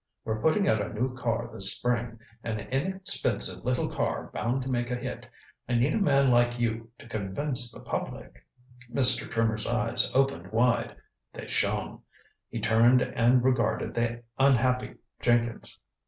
We're putting out a new car this spring an inexpensive little car bound to make a hit. I need a man like you to convince the public " Mr. Trimmer's eyes opened wide. They shone. He turned and regarded the unhappy Jenkins.